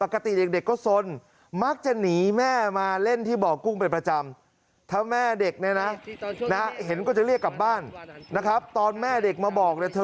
เราไม่ได้ชิงแต่มันก็เด็กมาเด้อ